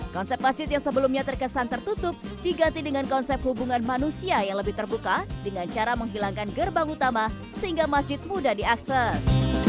konsep masjid yang sebelumnya terkesan tertutup diganti dengan konsep hubungan manusia yang lebih terbuka dengan cara menghilangkan gerbang utama sehingga masjid mudah diakses